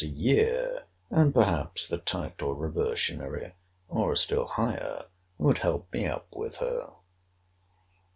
a year, and perhaps the title reversionary, or a still higher, would help me up with her.